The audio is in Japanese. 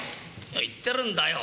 何言ってるんだよ。